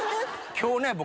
今日ね僕。